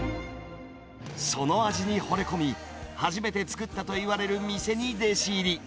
その味にほれ込み、初めて作ったといわれる店に弟子入り。